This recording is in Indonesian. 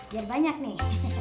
biar banyak nih